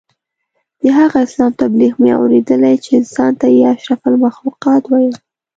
د هغه اسلام تبلیغ مې اورېدلی چې انسان ته یې اشرف المخلوقات ویل.